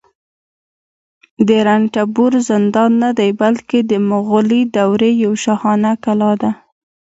چې رنتنبور زندان نه دی، بلکې د مغولي دورې یوه شاهانه کلا ده